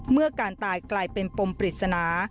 เมื่อการตายกลายเป็นปมปริศนา